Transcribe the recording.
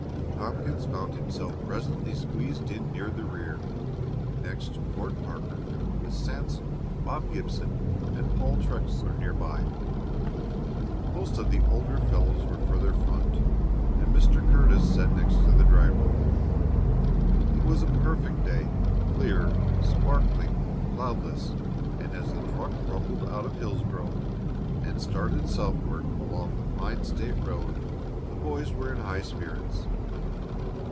Tompkins found himself presently squeezed in near the rear, next to Court Parker, with Sanson, Bob Gibson, and Paul Trexler near by. Most of the older fellows were farther front, and Mr. Curtis sat next to the driver. It was a perfect day, clear, sparkling, cloudless, and as the truck rumbled out of Hillsgrove and started southward along the fine state road the boys were in high spirits.